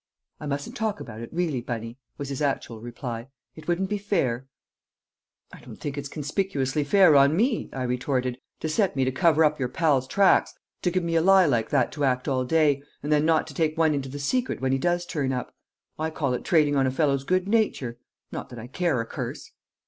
"I mustn't talk about it, really, Bunny," was his actual reply. "It wouldn't be fair." "I don't think it's conspicuously fair on me," I retorted, "to set me to cover up your pal's tracks, to give me a lie like that to act all day, and then not to take one into the secret when he does turn up. I call it trading on a fellow's good nature not that I care a curse!"